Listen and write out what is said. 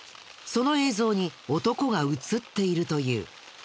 その映像に男が映っているという。